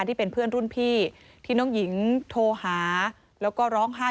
ที่เป็นเพื่อนรุ่นพี่ที่น้องหญิงโทรหาแล้วก็ร้องไห้